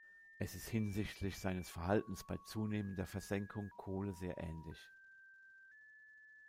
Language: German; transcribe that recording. Es ist hinsichtlich seines Verhaltens bei zunehmender Versenkung Kohle sehr ähnlich.